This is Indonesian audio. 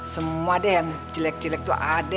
semua deh yang jelek jelek itu ada